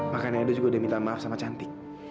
makanya ada juga udah minta maaf sama cantik